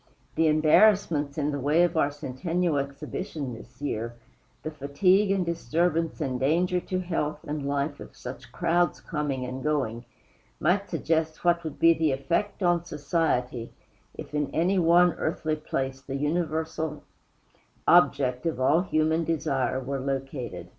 The embarrassments in the way of our Centennial Exhibition this year, the fatigue and disturbance and danger to health and life of such crowds coming and going, might suggest what would be the effect on human society if in any one earthly place the universal object of all human desire were located.